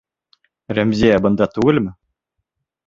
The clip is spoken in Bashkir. Рәмзиә бында түгелме?